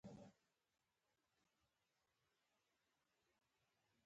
هيلې وويل چې موږ يو داسې څه اورېدلي چې ته به هم خوشحاله شې